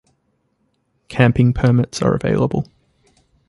Camping permits are available.